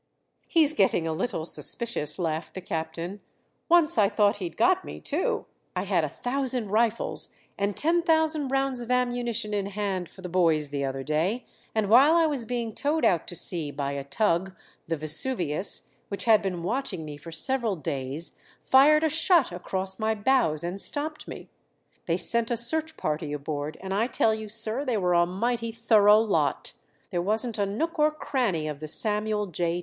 "He's getting a little suspicious," laughed the captain. "Once I thought he'd got me, too. I had a thousand rifles and ten thousand rounds of ammunition in hand for the boys, the other day and while I was being towed out to sea by a tug the Vesuvius, which had been watching me for several days, fired a shot across my bows and stopped me. They sent a search party aboard and I tell you, sir, they were a mighty thorough lot! There wasn't a nook or cranny of the _Samuel J.